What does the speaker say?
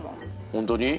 本当に？